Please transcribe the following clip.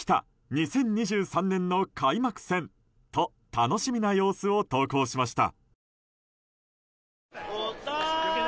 ２０２３年の開幕戦と楽しみな様子を投稿しました。